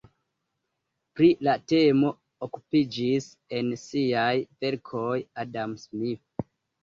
Pri la temo okupiĝis en siaj verkoj Adam Smith.